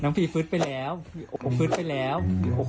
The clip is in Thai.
น้องพี่พลึกไปแล้วพี่โอ๊คพลึกไปแล้ว